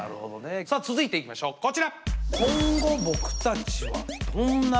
さあ続いていきましょうこちら。